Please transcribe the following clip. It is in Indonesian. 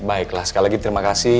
baiklah sekali lagi terima kasih